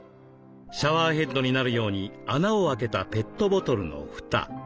シャワーヘッドになるように穴をあけたペットボトルの蓋。